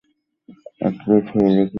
একটা ছুড়ো দেখি।